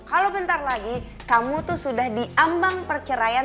halo bentar lagi kamu tuh sudah diambang perceraian